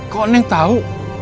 kok neng tau